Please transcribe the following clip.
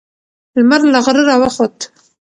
لمر له غره راوخوت.